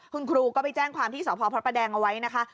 คุณครูก็ไปแจ้งความที่สพพระประแดงเอาไว้นะคะ